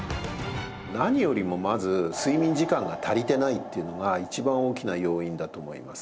何よりもまず睡眠時間が足りてないっていうのが一番大きな要因だと思います。